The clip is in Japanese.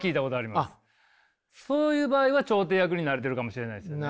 そういう場合は調停役になれてるかもしれないですよね。